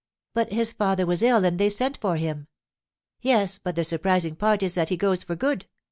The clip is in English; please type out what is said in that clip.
'But his father was ill and they sent for him.' 'Yes; but the surprising part is that he goes for good.